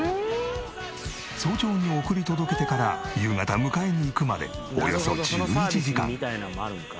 早朝に送り届けてから夕方迎えに行くまでおよそ１１時間。